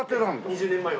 ２０年前は。